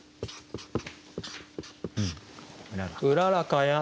「うららかや」。